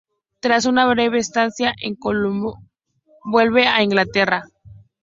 Tras una breve estancia en Colombo, vuelve a Inglaterra.